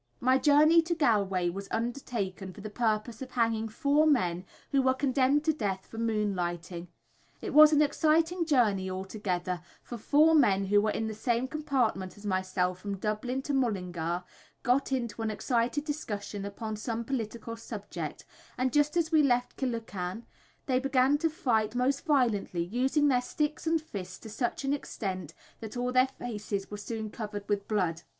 My journey to Galway was undertaken for the purpose of hanging four men who were condemned to death for moonlighting. It was an exciting journey altogether, for four men who were in the same compartment as myself from Dublin to Mullingar got into an excited discussion upon some political subject, and just as we left Killucan they began to fight most violently, using their sticks and fists to such an extent that all their faces were soon covered with blood.